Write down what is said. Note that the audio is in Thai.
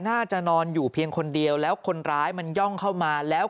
น่าจะนอนอยู่เพียงคนเดียวแล้วคนร้ายมันย่องเข้ามาแล้ว